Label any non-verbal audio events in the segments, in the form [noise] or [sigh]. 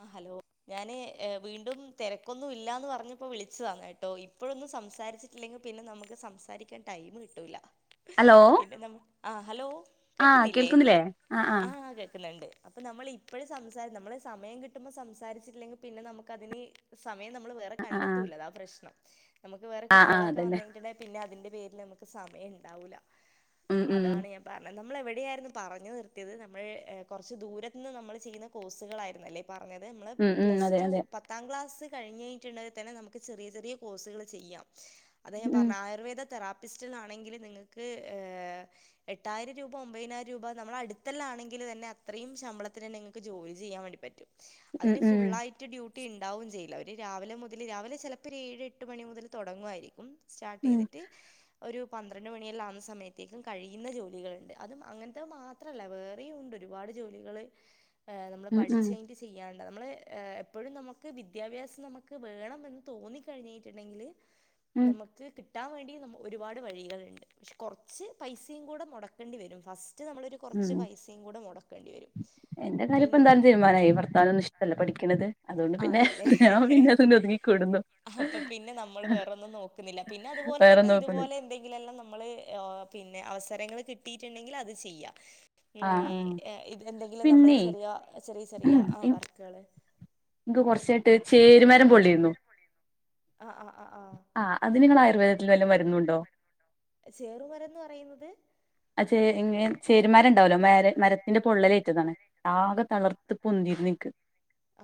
ആഹ് hello ഞാന് വീണ്ടും തെരക്കൊന്നും ഇല്ലാന്ന് പറഞ്ഞപ്പോ വിളിച്ചതാന്ന് കേട്ടോ ഇപ്പോഴൊന്നും സംസാരി ഇല്ലങ്കി പിന്നെ നമുക്ക് സംസാരിക്കാടൈം കിട്ടൂല ഹലോ പിന്നെ നമ്മ ആഹ് ഹലോ കേക്ക്ന്നില്ലേ ആഹ് കേൾക്ക്ന്ന്ണ്ട് അപ്പ നമ്മൾ ഇപ്പഴും സംസാ നമ്മള് സമയം കിട്ടുമ്പോ സംസാരിച്ചില്ലെങ്കി പിന്നെ നമുക്ക് അതിന് സമയം നമ്മൾ വേറെ ആഹ് ആഹ് കണ്ടെത്തൂല്ല അതാ പ്രശ്നം നമുക്ക് വേറെ ആഹ് ആഹ് കുെട്ടേളക്കെ അതന്നെ വന്നയ്ഞ്ട്ട്ണ്ടേ പിന്നെ അതിന്റെ പേരില് നമുക്ക് സമയം ഇണ്ടാവൂല്ല ഉം ഉം അതാണ് ഞാ പറഞ്ഞ നമ്മൾ എവിടെയാരുന്നു പറഞ് നിർത്തേത് നമ്മൾ കൊറച്ച് ദൂരത്ത്ന്ന് നമ്മൾ ചെയ്യ്ന്ന കോഴ്സുകളായിരുന്നല്ലേ പറഞ്ഞത് മ്മള് ഉം ഉം അതെ പ്ലസ്ടു അതെ പ ത്താം ക്ലാസ് കഴിഞ്ഞയ്ഞ്ഞിട്ടെങ്കി തന്നെ നമുക്ക് ചെറിയ ചെറിയ കോഴ്സുകൾ ചെയ്യാം അതാ ഞാ ഉം പറഞ് ആയുർവേദ തെറാപ്പിസ്റ്റിണാങ്കിൽ നിങ്ങൾക്ക് ഏ എട്ടായിരം രൂപ ഒമ്പയ്നായിരം രൂപ നമ്മള അട്ത്തെല്ലാണെങ്കിൽ തന്നെ അത്രയും ശമ്പളത്തിന്ന് നന്നേ ഇങ്ങൾക്ക് ജോലി ജോലി ച്ച്യ്യാൻ വേണ്ടി പറ്റും ഉം അതിന് ഉം ഫുള്ളായി റ്റ് ഡ്യൂട്ടി ഇണ്ടാവും ചെയ്ല്ല ഒര് രാവിലെ മുതൽ രാവിലെ ചലപ്പോ ഒരു ഏഴ് എട്ട് മണി മുതൽ തൊടങ്ങാരിക്കും ഉം സ്റ്റാട്ടീത്ട്ട് ഒര് പന്ത്രണ്ട് മണിയെല്ല ആവുന്ന സമയത്തേക്കും കഴിയുന്ന ജോലികള്ണ്ട് അതും അങ്ങൻത്തെ മാ ത്രല്ല വേറിം ഉണ്ട് ഒരുപാട് ജോലികൾ ഏ നമ്മൾ ഉം പഠി ഉം ചെയ്യാണ്ട നമ്മൾ എപ്പഴും നമുക്ക് വിദ്യാഭ്യാസം നമുക്ക് വേണം എന്ന് തോന്നി കഴിഞീട്ട്ണ്ടെങ്കിൽ ഉം നമ്മ ക്ക് കിട്ടാ വേണ്ടി നമു ഒരുപാട് വഴീകൾണ്ട് പക്ഷെ കൊറച്ച് പൈസിം കൂട മൊടക്കണ്ടി വരും ഫസ്റ്റ് നമ്മളൊരു ഉം കൊറച്ച് പൈസിം കൂടെ മൊടക്കണ്ടി വരും പി തീര്മാനായി ഭർത്താവിനൊന്നും ഇഷ്ടല്ല പഠിക്ക്ണത് ആണല്ലേ ഒതുങ്ങിക്കൂടുന്നു അപ്പ പിന്നെ നമ്മൾ വേറൊന്ന് നോ ന്നില്ല പിന്നെ അത്പോല് വേറെ തന്നെ നോക്കുന്നു ഇത്പോലെ എന്തെിങ്കിലെല്ലാം നമ്മള് ഓഹ് പിന്നെ അവസരങ്ങൾ കിട്ടിട്ട്ണ്ടെങ്കിൽ അത് ച്ച്യ്യാം ഉം ആഹ് ആഹ് എന്തെങ്കിലും പിന്നെ നമ്മള് ചെറിയ ചെറിയ ചെറിയ ആ വർക്കുകള് ഇന്ന് കൊറച്ചായിട്ട് ചേരുമാരം പൊള്ളിരുന്നു ആഹ് ആഹ് ആഹ് ആഹ് ആഹ് അതിന് നിങ്ങൾ ആയുർവേദത്തിൽ വല്ല മരുന്നുണ്ടോ ചേറുമരന്ന് പറയുന്നത്- അ ചേ ഇങ്ങെ ചേരുമരണ്ടാവല്ലോ മ മരത്തിന്റെ പൊള്ളലേറ്റതാണ് ആകെ തളർത്ത് പൊന്തി നിക്ക്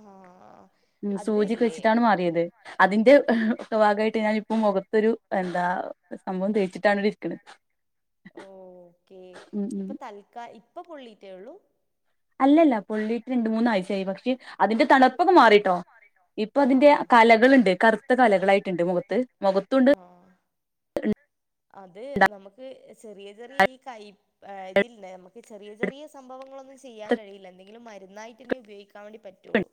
ആഹ് ഉം സൂചിയൊക്കെ അതില്ലേ വെച്ചിട്ടാണ് കൊ മാറിയത് അതിന്റെ ഭാഗമായിട്ട് ഞാൻ ഇപ്പം മുഖത്തൊരു എന്താ സംഭവം തേച്ചിട്ടാണ് ഒര് - ഓ ഓക്കേ ഉം ഉം ഇപ്പൊ തൽക്ക ഇപ്പൊ പൊള്ളീട്ടേ ഉള്ളൂ അല്ലല്ല പൊള്ളിയിട്ട് രണ്ട് മൂന്നാഴ്ച്ചയായി പക്ഷെ അതിന്റെ തെണുപ്പൊക്കെ മാറിട്ടോ ഇപ്പൊ അതിന്റെ ആഹ് കലകളുണ്ട് കറുത്ത കലകളായിട്ടുണ്ട് മുഖത്ത് മുഖത്തുംയൊണ്ട് - അതെ നമുക്ക് ചെറിയ ചെറിയ ഈ കൈ- ആ ഇതില്ല നമുക്ക് ചെറിയ ചെറിയ സംഭവങ്ങളൊന്നും ചെയ്യാൻ കഴിയില്ല എന്തെങ്കിലും മരുന്നായിട്ട് തന്നെ ഉപയോഗിക്ക- വേണ്ടി പറ്റുള്ളൂ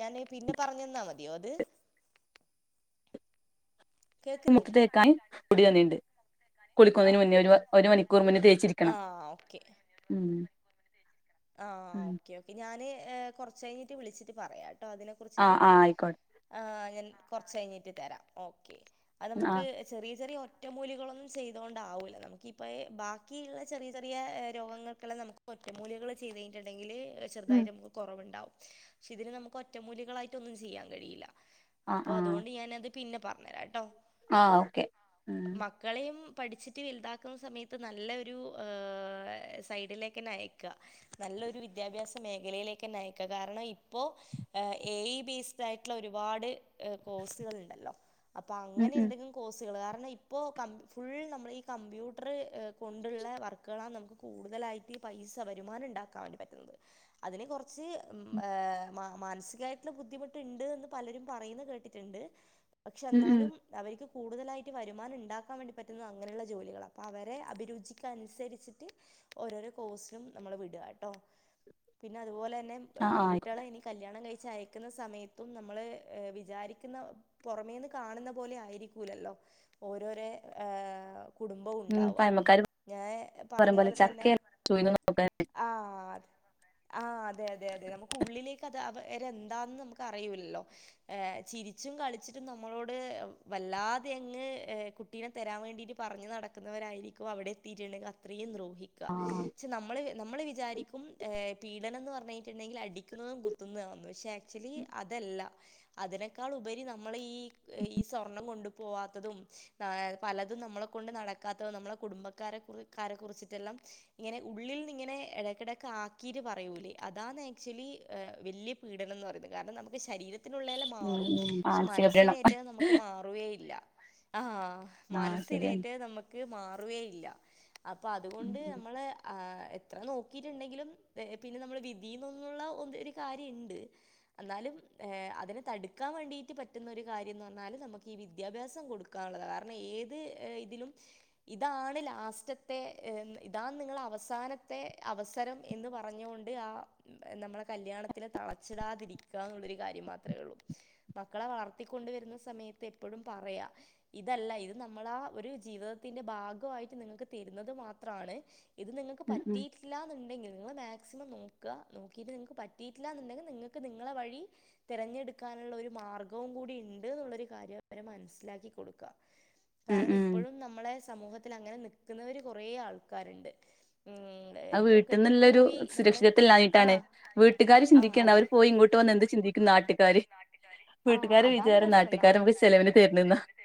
ഞാന് പിന്നെ പറഞ്ഞു തന്നാൽ മതിയോ അത് കേക്കുന്നില്ല മുഖത്തേക്കായി പൊടി തന്നിട്ടുണ്ട് കുളിക്കുന്നതിന് ആഹ് മുന്നേ ഒരു ഒരു മണിക്കൂർ മുന്നേ തെച്ചിരിക്കണം ആഹ് ഓക്കെ ഉം ആഹ് ഓക്കേ ഓക്കേ ഞാന് കൊറച്ച കഴിഞ്ഞിട്ട് വിളിച്ചിട്ട് പറയാം കേട്ടോ അതിനെ ആഹ് കുറിച്ചിട്ട്- ആഹ് ആയിക്കോട്ടെ ആഹ് ഞാൻ കൊറച്ച് കഴിഞ്ഞിട്ട് തരാം ഓക്കെ അത് ആഹ് നമ്മുക്ക്- ചെറിയ ചെറിയ ഒറ്റമൂലികളൊന്നും ചെയ്തോണ്ടാവൂല്ല നമുക്കിപ്പ ബാക്കിയുള്ള ചെറിയ ചെറിയ രോഗങ്ങൾ - നമുക്ക് ഒറ്റമൂലികള് ചെയ്ത് കഴിഞ്ഞട്ടുണ്ടെങ്കില് ഉം ചെറുതായിട്ട് നമുക്ക് കൊറവുണ്ടാവും പക്ഷെ ഇതിന് നമുക്ക് ഒറ്റമൂലികളായിട്ട് ഒന്നും ചെയ്യാൻ കഴിയില്ല ആഹ് അപ്പോ ആഹ് അതുകൊണ്ട് ഞാനത്- പിന്നെ പറഞ്ഞുതരാട്ടോ ആഹ് ഓക്കെ മക്കളെയും പഠിച്ചിട്ട് വലുതാക്കുന്ന സമയത്ത് നല്ലൊരു സൈഡിലേക്ക് തന്നെ അയക്കുക നല്ലൊരു വിദ്യാഭ്യാസ മേഖലയിലേക്ക് തന്നെ അയക്കാം കാരണം ഇപ്പോ- എ ഈ ബേസ്ഡ് ആയിട്ടുള്ള ഒരുപാട് കോഴ്സുകൾ ഇണ്ടല്ലോ അപ്പൊ ഉം അങ്ങനെ ഉം എന്തെങ്കിലും- കോഴ്സുകൾ കാരണം ഇപ്പോൾ ക ഫുള്ള് നമ്മള് ഈ കമ്പ്യൂട്ടർ കൊണ്ടുള്ള വർക്കുകളാണ് നമുക്ക്- കൂടുതലായിട്ട് ഈ പൈസ വരുമാനം ഉണ്ടാക്കാൻവേണ്ടി പറ്റുന്നത് അതിന് കൊറച്ച് മാനസികമായിട്ടുള്ള ബുദ്ധിമുട്ട് യിണ്ട് എന്ന് പലരും പറയുന്ന കേട്ടിട്ടുണ്ട് പക്ഷെ ഉം ഉം എന്നാലും- അവർക്ക് കൂടുതലായിട്ട് വരുമാനം ഇണ്ടാക്കാൻ വേണ്ടി പറ്റുന്ന അങ്ങനെയുള്ള ജോലികളാണ് അവരെ അഭിരുചിക്കനുസരിച്ചിട്ട്- ഓരോരോ കോഴ്സിലും നമ്മള് വിടുക കേട്ടോ പിന്നെ അതുപോലെ തന്നെ ആഹ് ആഹ് പെൺകുട്ടികളെ ആയിക്കോട്ടെ എനിക്ക്- കല്യാണം കഴിച്ച് അയക്കുന്ന സമയത്തും നമ്മള് വിചാരിക്കുന്ന- പൊറമേന്ന് കാണുന്ന പോലെ ആയിരിക്കൂലല്ലോ ഓരോര് ആഹ- കുടുംബം ഉം ഉണ്ടാവുവ പഴമക്കാര് ഞാൻ പറഞ്ഞ പോലെ തന്നെ- [unintelligible] ആഹ് ആഹ് അതെ അതെ അതെ നമുക്ക് ഉള്ളിലേക്ക് അത് അവരെ എന്താെന്ന് നമുക്ക് അറിയൂല്ലല്ലോ ഏ ചിരിച്ചും കളിച്ചിട്ടും നമ്മളോട് വല്ലാതെയങ്ങ് - കുട്ടീനെ തരാൻ വേണ്ടിയിട്ട് പറഞ്ഞു നടക്കുന്നവരായിരിക്കും അവിടെ എത്തിയിട്ടുണ്ടെങ്കിൽ അത്രയും ദ്രോഹി - ആഹ് പക്ഷെ നമ്മള്- നമ്മള് വിചാരിക്കും പീഡനം എന്ന് പറഞ്ഞിട്ടുണ്ടെങ്കിൽ അടിക്കുന്നതും കുത്തുന്നതും പക്ഷെ- ആക്ച്വലി അത് അല്ല അതിനേക്കാൾ ഉപരി നമ്മള് ഈ ഈ സ്വർണം കൊണ്ടു പൊവാത്തതും ആ പലതും നമ്മളെ കൊണ്ട് നടക്കാത്തതും നമ്മളെ കുടുംബക്കാരെ ക കുറിച്ചിട്ടെല്ലാം- ഇങ്ങനെ ഉള്ളിൽ നി- ഇങ്ങനെ എടക്കെടക്ക് ആക്കിട്ടു പറയൂലെ അതാണ് ആക്ച്വലി വല്ലിയ പീഡനം എന്ന് പറയുന്നേ കാരണം നമുക്ക് - ശരീരത്തിനുള്ളയെല്ലാം ഉം മാറും ഉം പക്ഷെ മാനസിക പീഡനം മനസിനേറ്റത് നമുക്ക് മാറ- മാറുവെയില്ല ആ ആഹ് ശരിയാണ് മനസ്സിനേറ്റ്ത് നമുക്ക് മാറുകേയില്ല അപ്പൊ ഉം അതുകൊണ്ട് നമ്മള് ആഹ് അത്ര നോക്കിട്ടുണ്ടെങ്കിലും പിന്നെ നമ്മൾ വിധിൊന്നുള്ള ഒ ഒരു കാര്യം ഉണ്ട് എന്നാലും അതിനെ തടുക്കാൻ വേണ്ടിട്ട് പറ്റുന്ന ഒരു കാര്യംന്ന് പറഞ്ഞാല് നമുക്ക് ഈ വിദ്യാഭ്യാസം കൊടുക്കും ക്കനുള്ളത കാരണം ഏത് ഇതിലും ഇതാണ് ലാസ്റ്റത്തെ ഇതാണ് നിങ്ങളെ അവസാന ത്തെ അവസരം എന്ന് പറഞ്ഞുകൊണ്ട് ആ നമ്മളെ കല്യാണത്തിന് തളച്ചിടാതിരിക്കുക എന്നുള്ളൊരു കാര്യം മാത്രമേ ഉള്ളൂ മക്കളെ വളർത്തിക്കൊണ്ട വരുന്ന സമയത്ത് എപ്പോഴും പറയാ ഇതല്ല ഇത് നമ്മളാ ഒരു ജീവിതത്തിന്റെ ഭാഗമായിട്ട് നിങ്ങൾക്ക് തരുന്നത് മാത്രമാണ് ഇത് നിങ്ങൾക്ക് പറ്റ ഉം പറ്റിലാ ഉണ്ടെങ്കിൽ നിങ്ങൾ മാക്സിമം നോക്കുക നോക്കിട്ട് നിങ്ങക്ക് പറ്റിയിട്ടില്ലന്നുണ്ടെങ്കിൽ നിങ്ങൾക്ക് നിങ്ങളെ വഴി തിരഞ്ഞെടുക്കാനുള്ള ഒരു മാർഗവും കൂടി ഇണ്ട് എന്നുള്ളൊരു കാര്യം അവരെ മനസ്സിലാക്കി കൊടുക്കുക ഉം കാരണം ഉം ഇപ്പോഴും നമ്മളെ സമൂഹത്തിൽ അങ്ങനെ നിൽക്കുന്നവര് കൊറേ ആൾക്കാരുണ്ട് ഉം അത് എന്തോ വീട്ടിൽന്നുള്ളൊരു കെട്ടിപ്പോയി നമ്മള് സുരക്ഷിതത്വം ഇല്ലാഞ്ഞിട്ടാണ് ആഹ് വീട്ടുകാര് ആഹ് ചിന്തിക്കേണ്ട അതെ അവര് പോയി ഇങ്ങോട്ട് ചിന്തിക്കുന്ന വന്ന് എന്ത് ചിന്തിക്കും നാട്ടുകാര് നാട്ടുകാ ആ വീട്ടുകാരെ അതാണ് വിചാരം പ്രശനം നാട്ടുകാര് നാട്ട നമുക്ക് ചെലവിന് നാട്ടുകാരർ തരുന്നെന്നാ ചിലവ്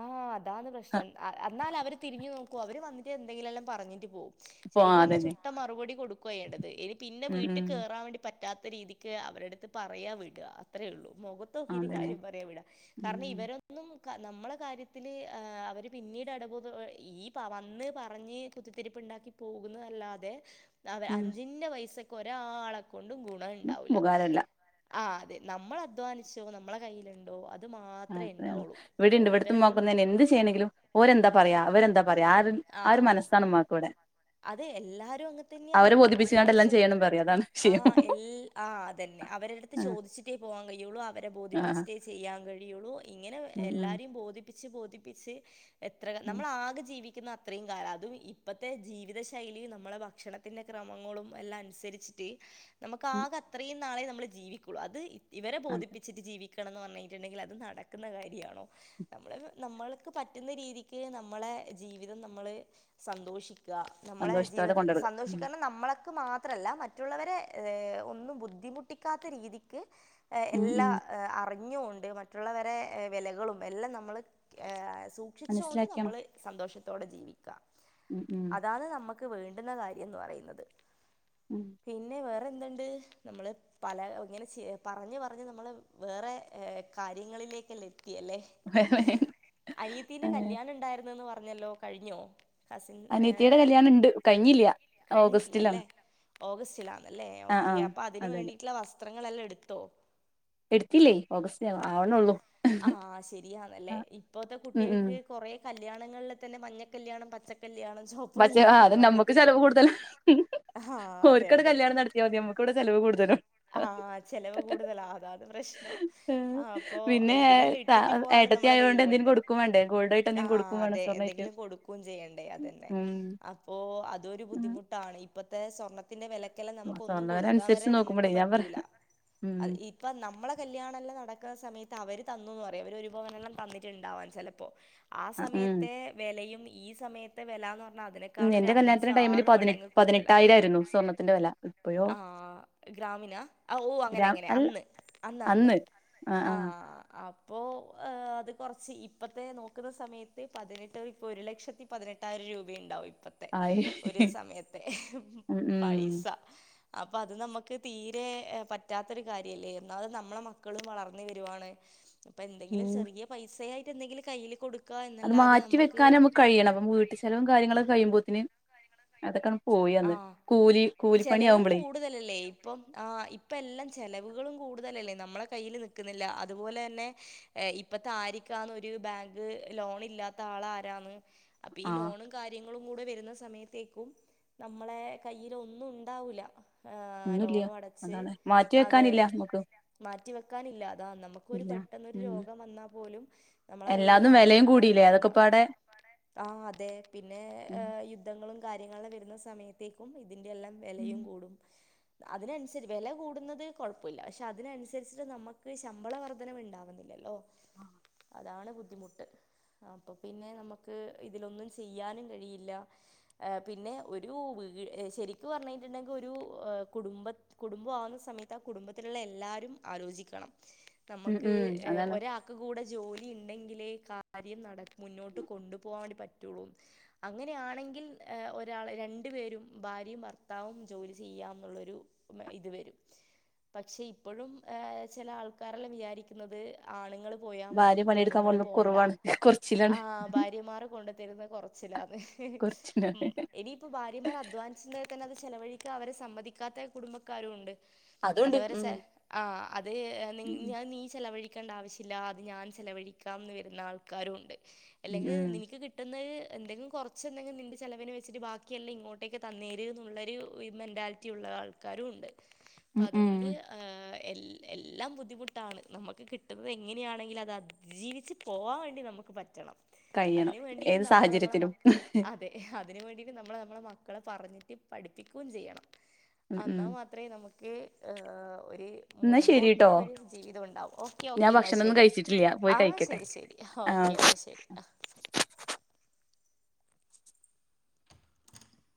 ആഹ അതാണ്ന്ന് പ്രശ്നം എന്നാൽ അവര് തിരിഞ്ഞു നോക്കൂ അവര് വന്നിട്ട് എന്തെങ്കിലും എല്ലാം പറഞ്ഞിട്ട് പോകും ഇപോ അതെ ചുട്ട മറുപടി കൊടുക്ക ചെയ്യേണ്ടത് ഇനി പിന്നെ ഉം വീട്ടിൽ ഉം കയറാൻ വേണ്ടി പറ്റാത്ത രീതിക്ക് അവരെടുത്ത് പറയാ വിടുക അത്രേയുള്ളൂ മുഖ ഖഞ്ഞ് നോക്കി അതന്നെ കാര്യം പറയാ വിടാ കാരണം ഉം ഇവര ഒന്നും നമ്മളെ കാര്യത്തില് അവര് പിന്നീട് ഇടപോ ഈ വന്ന് പറഞ്ഞ് കുത്തിരിപ്പ് ഉണ്ടാക്കി പോകുന്നത് അല്ലാതെ അതെ അവ ഉം അഞ്ചിന്റെ പൈസ്സക്ക് ഒരാളെ കൊണ്ടും ഗുണം ഉണ്ടാവില്ല ഉപകാരല്ല ആഹ് അതെ നമ്മൾ അധ്വാനിച്ചോ നമ്മളെ കയ്യിലുണ്ടോ അത്ര ഉണ്ടാവെള്ളൂ ഇവീടു ഉണ്ട് നോക്കുന്നതിന് എന്ത് ചെയ്യണെങ്കിലും ഒരെന്താ പറയാ അവരെന്താ പറയാ ആ ഒരു മനസ്സാണ് ഉമ്മാക്ക് ഇവിടെ അത് എല്ലാവാരും അങ്ങന്നെ തന്നെയാണ് അവരെ ബോധിപ്പിച്ച്ങ്ങാണ്ട് എല്ലാം അത്യാവശ്യം ചെയ്യണം പറയും അതാണ് ആ വിഷയം എല്ലാ ആ അതന്നെ അവരെട്ത്ത് ആഹ് ചോദിച്ച് ച്ചിട്ടേ പോവാൻ കഴിയുള്ളൂ അവരെ ആഹ് ബോധിപ്പിച്ചിട്ടേ ചെയ്യാൻ കഴിയുള്ളൂ ഇങ്ങനെ ഉം ഉം എല്ലാവരും ബോധി പ്പിച്ച് ബോധിപ്പിച്ച് എത്ര നമ്മൾ ആകെ ജീവിക്ക അതും അത്ര കാലം അതും ഇപ്പത്തെ ജീവിത ശൈലി നമു നമ്മളെ ഭക്ഷണത്തിന്റെ ക്രമങ്ങളും എല്ലാം അനുസരിച്ചിട്ട് നമുക്ക് ഉം ആകെ അത്രയും നാളെ നമ്മൾ ജീവിക്കും അത് ഇവരെ അതെ ബോധിപ്പിച്ചിട്ട് ജീവിക്കണം എന്ന് പറഞ്ഞിട്ടുണ്ടെങ്കിൽ അത് നടക്കുന്ന കാര്യമാണോ നമ്മള നമ്മൾക്ക് പറ്റുന്ന രീതിക്ക് നമ്മളെ ജീവിതം നമ്മള് സന്തോഷിക്കുക നമ്മളെ സന്തോഷത്തോടെ ജീവിതത്തില്ൽ കൊണ്ടടുക്ക ഉം സന്തോഷിക്കണം നമ്മളക്ക് മാത്രല്ല മറ്റേ മറ്റുള്ളവരെ ഒന്നും ബുദ്ധിമുട്ടിക്കാത്ത രീതിക്ക് ഉം എല്ലാ ഉം അറിഞ്ഞുകൊണ്ട് മറ്റുള്ളവരെ വിലകളും എല്ലാം നമ്മള് സൂക്ഷിച്ചുകൊണ്ട് മനസ്സിലാക്കിയണം നമ്മള് സന്തോഷത്തോടെ ജീവിക്കാ ഉം ഉം അതാണ് നമ്മുക്ക് വേണ്ടുന്ന കാര്യം എന്ന് പറയുന്നത് ഉം പിന്നെ വേറെന്ത്‌ണ്ട് നമ്മള് പല ഇങ്ങനെ ചെ പറഞ് പറഞ് നമ്മള് വേറെ കാര്യങ്ങളിലേക്കല്ല എത്യേല്ലേ [unintelligible] അനിയത്തീന്റെ കല്യാണ ഇണ്ടായിര്ന്നന്ന് പറഞ്ഞല്ലോ കഴിഞ്ഞോ കസിൻ അനത്തിടെ കല്യാണം ഇണ്ട് കഴിഞ്ഞില്യ കഴിഞ്ഞിട്ടില്ലല്ലേ ഓഗസ്റ്റിലാന്നല്ലേ ആഹ് ഓക്കേ ആഹ് അപ്പൊ അതിന് അതെ അതെ വേണ്ടീട്ട്ള്ള വസ്ത്രങ്ങളെല്ലൊ എട്ത്തോ എട്ത്തില്ലേ ഓഗസ്റ്റ്ന് ആവ്ണൊള്ളു ആഹ് ശരിയാന്നല്ലേ ഇപ്പോതെ ഉം ഉം കുട്യേക്ക് കുറെ കല്യാണങ്ങൾല് തന്നെ മഞ്ഞ കല്യാണം പച്ച കല്യാണം ചോപ്പ് പക്ഷെ ആ കല്യാണം അത് എന്ന് നമ്മുക്ക് പർഞ്ഞിട്ട് ചെലവ് കൂടുതല ആഹ് അതെ അതെ തെ അതെ മ്മക്ക്വടെ ചെലവ് കൂട്തല ആഹ് ചെലവ് കൂടുതലാ അതാണ് പ്രശ്നം ആഹ് അപ്പൊ പിന്നെ ഇതിലെല്ലെ ത ട്ടിട്ട് പോവാനും ഏട്ടത്തി നമ്മള ആയോണ്ട് കയ്യില് എന്തേലും വേണ്ടേ കൊടുക്കും ഗോൾഡ് ആയിട്ട് എന്തേലും ആഹ് കൊടുക്കും വേണം അതെ സ്വർണ്ണായിട്ട് എന്തെങ്കിലും കൊടു ക്കും ചെയ്യണ്ടേ അതന്നെ ഉം അപ്പോ അതൊരു ബുദ്ധിമുട്ടാണ് ഇപ്പത്തെ സ്വർണ ത്തിന്റെ വെലക്കെല്ലെ ആ നമുക്ക് ഒന്നും സ്വർണ്ണ വെല കൊടുക്കാൻ വരെ അനുസരിച്ച് നമ്മക്ക് നോക്കുമ്പോളേ ഞാൻ പറയാ പറ്റൂല ഉം അതീ പ്പൊ നമ്മളെ കല്യാണല്ലാ നടക്ക്‌ണ സമയത്ത് അവര് തന്നുന്ന് പറയും അവരൊരു പവനെല്ലാം തന്നിട്ട്ണ്ടാവാൻ ചിലപ്പോ ആ ഉം സമയത്തെ വെലയും ഈ സമയത്തെ വെലന്ന് പർ ന്ന ഉം തിനേക്കാൾ ഒരു എന്റെ അഞ്ച് കല്യാണത്തിന്റെ ടൈമില് ആറ് പതിനെ മടങ് കൂടുതല പതിനെട്ടായിരായിരുന്നു സ്വർണത്തിന്റെ വെല ഇപ്പഴോ ആഹ് ഗ്രാമിനാ അ ഓഹ് അങ്ങനെ ഗ്രാം ങ്ങനെ അല്ല അന്ന് അന്നന്ന് അന്ന് ആഹ് ആഹ് അപ്പോ അത് കൊർച്ച് ഇപ്പത്തെ നോക്കുന്ന സമയത്ത് പതിനെട്ട് പ്പൊ ഒരു ലക്ഷത്തി പതിനെട്ടായിരം രൂപയ്ണ്ടാവും ഇപ്പത്തെ ആയി ഒരു സമയത്തെ ഉം ഉം പൈസ അപ്പൊ അത് നമ്മ ക്ക് തീരെ പറ്റാത്തൊരു കാര്യല്ലേര്ന്നു ഒന്നാമത് നമ്മളെ മക്കളും വളർന്നു വരുവാണ് അപ്പൊ എന്തെങ്കിലും ഉം ചെറിയ പൈസ യായിട്ട് എന്തെങ്കിലും കയ്യില് കൊട്ക് അത് മാറ്റി വെക്കാന മ്മക്ക് കഴിയണം പ്പം വീട്ടിൽ ചെലവും കാര്യങ്ങളൊക്കെ കഴിയുമ്പോത്തിന് അതൊക്കെ പോയ്യന്ന് ആ കൂലി ചെലവും കൂലിപ്പണിയാവുമ്പളേ കൂടുതലല്ലേ ഇപ്പം ആ ഇപ്പ ല്ലാം ചെലവുകളും കൂടുതലല്ലേ നമ്മളെ കയ്യില് നി ക്ക്‌ന്നില്ല അതുപോലെ ന്നെ ഇപ്പത്തെ ആരിക്കാന്ന ഒര് ബാങ്ക് ലോൺ ഇല്ലാത് ത്താളാരാന്ന് അപ്പൊ ഈ ആഹ് ലോണും കാര്യങ്ങളും കൂടെ വരുന്ന സമയത്തേക്കും- നമ്മളെ കയ്ല് ഒന്നും ഉണ്ടാവൂല്ല ആഹ് ഒന്നുല്ല ലോണു അടച്ച് അതാണ് മാറ്റി അതെ വെക്കാനില്ല നമുക്ക് മാറ്റി വെക്കാനില്ല അതാ നമുക്ക് ഒരു ഇല്ല പെട്ടെന്നൊരു ഉം രോഗം വന്നാ പോലും നമ്മളെ കയ്യിൽ മാറ്റി വെക്കാൻ ല്ലേ അതൊക്കെപാടെ ആഹ് അതെ പിന്നെ യുദ്ധ് ദ്ധങ്ങളും കാര്യങ്ങളു വരുന്ന സമയത്തേക്കും ഇതിന്റെ എല്ലാം വെലയും കൂടും അതിനനുസരി വെല കൂടുന്നത് കുഴപ്പുല്ല പഷെ അതിനനുസരിച്ചട്ട് നമുക്ക് ശമ്പള വർധനവ് ണ്ടാവുന്നില്ല ല്ലോ അതാണ് ബുദ്ധിമുട്ട് അപ്പൊ പിന്നെ നമുക്ക് ഇതിലൊന്നും ചെയ്യാനും കഴിയില്ല പിന്നെ ഒരു വീ ശരിക്കു പറഞ്ഞിട്ടുണ്ടെങ്കിൽ ഒരു കുടുംബത് കുടുംബ ആവുന്ന സമയത്ത് ആ കുടുംബത്തിലുള്ള എല്ലാരും ആലോചിക്കണം ഉം നമുക്ക് ഉം. അതാണ് ഒരാ ക്ക് കൂടെ ജോലി ണ്ടെങ്കിലേ കാര്യം നട മുന്നോട്ട് കൊണ്ടുപോവാൻ വേണ്ടി പറ്റുള്ളൂന്ന് അങ്ങനെയാണെങ്കിൽ ഒ രാള് രണ്ടു പേരും ഭാര്യേം ഭർത്താവും ജോലി ചെയ്യാ ന്നുള്ളൊരു ഇത് വരും പക്ഷെ ഇപ്പോഴും ആഹ് ചെല ആൾക്കാരല്ലാം വിചാരിക് ന്നത് ആണ്ങ്ങൾ പോയാ മതി ഭാര്യ പണിയെടുക്കാൻ പെണ്ണ്ങ്ങൾ പോണത് പോണ്ട കുറവാണ് കൊറച്ചിലാണ് ആഹ് ഭാര്യമാര് കൊണ്ട തെരുന്നെ കൊറച്ചിലാ ന്ന് കൊറച്ചിലാണ് മ്- ഇനിയിപ്പോ ഭാര്യമാർ അധ്വാനിച്ച തന്നെ അത് ചെലവഴിക്ക അവരെ സമ്മതിക്കാത്ത കുടുംബക്കാരു ണ്ട് അതുണ്ട് അതവരെ ഉം ആ് അത് ഉം ഞാൻ നീ ചെലവഴി ക്കണ്ട ആവശ്യില്ല അത് ഞാൻ ചെലവഴിക്കാംന്ന് വരുന്ന ആൾക്കാരും ണ്ട് ഉം അല്ലെങ്കി ഉം നിൻക്ക് കി ട്ട്ന്ന് എന്തങ്കി കൊറച്ചെ ന്തെങ്കി നിന്റെ ചെലവിന് വെ ച്ചിരി ബാക്കിയെല്ലം ഇങ്ങോട്ടേക്കെ തന്നേരര് ന്നുള്ളൊരു മെന്റാലിറ്റി ഉള്ള ആൾക്കാരും ണ്ട് അപ്പം ഉം ഉം അതുകൊണ്ട് ആ എല്ല് എല്ലാം ബുദ്ധിമുട്ടാണ് നമക്ക് കിട്ടുന്നത് എങ്ങനെയാണെങ്കിലും അത് അത ജീവിച്ച് പോകാൻ വേണ്ടി നമുക്ക് പറ്റണം കഴിയണം അതിന് വേണ്ടിട്ട് ഏത് നമ്മള് നമ്മടെ സാഹചര്യത്തിലും മക്ക് അത് അതെ അതിന് വേണ്ടിട്ട് നമ്മള് നമ്മടെ മക്കളെ പറഞ്ഞിട്ട് പഠിപ്പിക്കുകയും ചെയ്യണം ഉം ഉം എന്നാ മാത്ര ത്രമേ നമുക്ക് ഒരു എന്നാ ശരിട്ടോ മുൻപോട്ടേക്ക് ഒരു ജീവിതം ഉണ്ടാവൂ. ഓക്കെ ഓക്കെ ഞാൻ എന്നാ ഭക്ഷണൊന്നും ശരി കഴിച്ചിട്ടില്ല പോയി ആഹ് കഴിക്കട്ടെ ശരി ശരി ആ ഓക്കെയെന്നാ ശരി ആഹ് [inaudible]